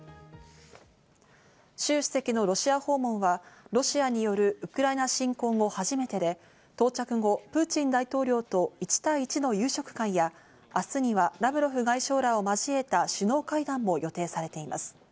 シュウ主席のロシア訪問はロシアによるウクライナ侵攻後初めてで、到着後、プーチン大統領と１対１の夕食会や、明日にはラブロフ外相らを交えた首脳会談も予定されています。